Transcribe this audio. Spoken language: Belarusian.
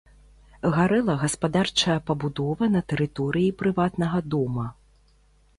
Гарэла гаспадарчая пабудова на тэрыторыі прыватнага дома.